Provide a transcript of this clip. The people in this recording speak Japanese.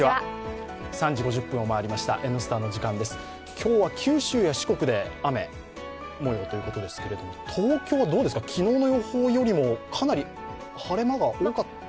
今日は九州や四国で雨モードということですけど、東京はどうですか、昨日の予想よりもかなり晴れ間が多かった？